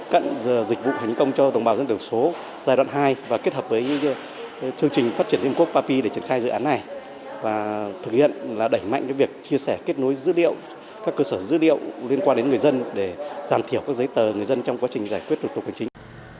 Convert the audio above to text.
các cơ sở dữ liệu liên quan đến người dân để giảm thiểu các giấy tờ người dân trong quá trình giải quyết thủ tục hành chính